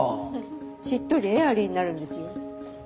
しっとりエアリーになるんですよ。